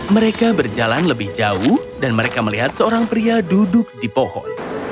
mereka berjalan lebih jauh dan mereka melihat seorang pria duduk di pohon